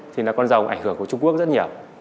thì là con rồng ảnh hưởng của trung quốc rất nhiều